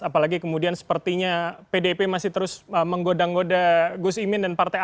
apalagi kemudian sepertinya pdip masih terus menggoda ngoda gus imin dan partai a